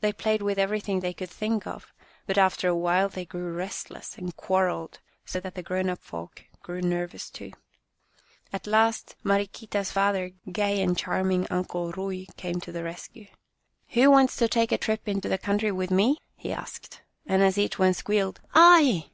They played with everything they could think of, but after awhile they grew restless and quarrelled so that the grown up folk grew nervous, too. At last, Mariquita's father, gay and charm ing Uncle Ruy, came to the rescue. Rainy Days 79 " Who wants to take a trip into the country with me ?" he asked, and as each one squealed " I